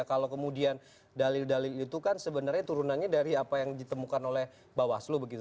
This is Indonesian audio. kalau kemudian dalil dalil itu kan sebenarnya turunannya dari apa yang ditemukan oleh bawaslu begitu